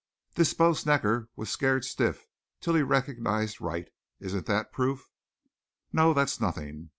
"This Bo Snecker was scared stiff till he recognized Wright. Isn't that proof?" "No, that's nothing.